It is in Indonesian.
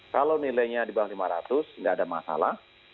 kalau nilainya di bawah lima ratus nggak ada masalah